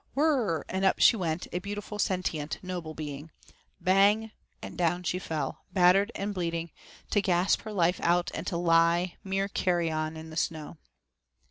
Whirr, and up she went, a beautiful, sentient, noble being. Bang, and down she fell battered and bleeding, to gasp her life out and to lie, mere carrion in the snow.